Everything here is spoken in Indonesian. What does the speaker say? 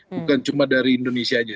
bukan cuma dari indonesia aja